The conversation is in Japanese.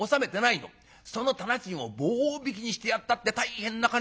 その店賃を棒引きにしてやったって大変な金だよ？